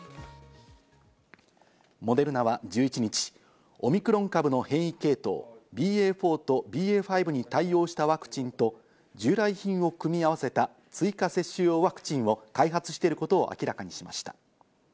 モデルナは１１日、オミクロン株の変異系統、ＢＡ．４とＢＡ．５に対応したワクチンと従来品を組み合わせた追加接種用ワクチンを開発していることを明らかにしました。